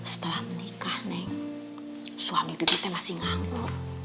setelah menikah neng suami bibi teh masih nganggur